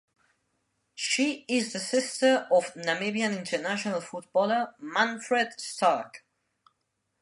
She is the sister of Namibian international footballer Manfred Starke.